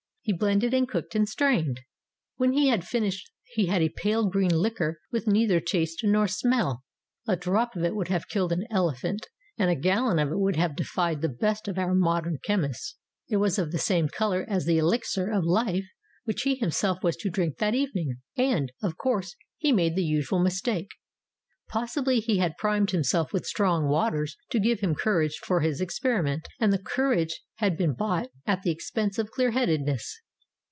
He blended and cooked and strained. When he had finished he had a pale green liquor with neither taste nor smell. A drop of it would have killed an elephant, and a gal lon of it would have defied the best of our modern chemists. It was of the same color as the elixir of life which he himself was to drink that evening. And, of course, he made the usual mistake. Pos sibly he had primed himself with strong waters to give him courage for his experiment, and the courage had been bought at the expense of clear headedness.